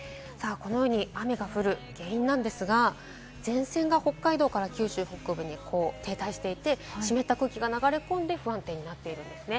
雨が降る原因なんですが、前線が北海道から九州北部に停滞していて、湿った空気が流れ込んで不安定になっているんですね。